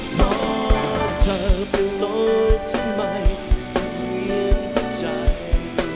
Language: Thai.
เพราะเธอเป็นโลกทำไมจะเปลี่ยนหัวใจ